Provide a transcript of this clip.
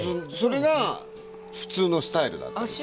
それが普通のスタイルだった。